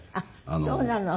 そうなの？